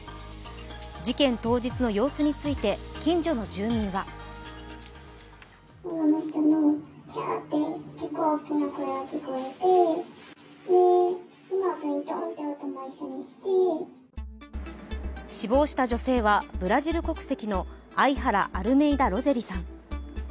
事件当日の様子について近所の住民は死亡した女性はブラジル国籍のアイハラ・アルメイダ・ロゼリさん。